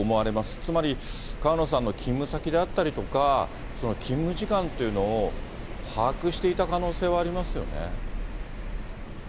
つまり川野さんの勤務先であったりとか、勤務時間っていうのを把握していた可能性はありますよね。